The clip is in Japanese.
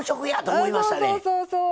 そうそうそうそう。